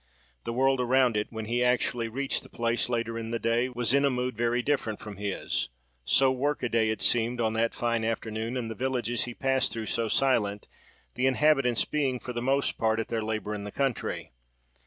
The world around it, when he actually reached the place later in the day, was in a mood very different from his:—so work a day, it seemed, on that fine afternoon, and the villages he passed through so silent; the inhabitants being, for the most part, at their labour in the country.